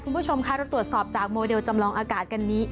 คุณผู้ชมค่ะเราตรวจสอบจากโมเดลจำลองอากาศกันนี้